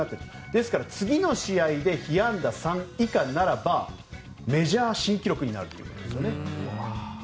ですから、次の試合で被安打３以下ならばメジャー新記録になるということですね。